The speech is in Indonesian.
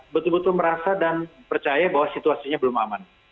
betul betul merasa dan percaya bahwa situasinya belum aman